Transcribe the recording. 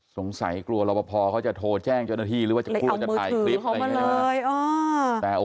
สงสัยกลัวเราพอจะโทรแจ้งจนนาทีหรือว่าจะกลัวจะถ่ายคลิป